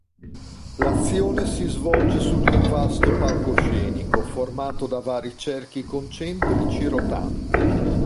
L'azione si svolge su di un vasto palcoscenico formato da vari cerchi concentrici rotanti.